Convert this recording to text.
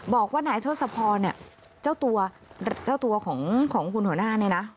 บอกว่านายทศพเจ้าตัวของคุณหัวหน้า